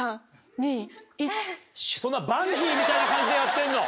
そんなバンジーみたいな感じでやってんの？